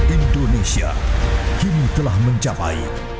indonesia kini telah mencapai